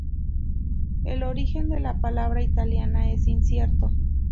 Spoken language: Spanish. El origen de la palabra italiana es incierto.